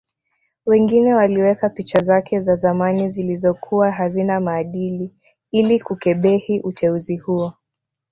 Wengine waliweka picha zake za zamani zilizokuwa hazina maadili ili kukebehi uteuzi huo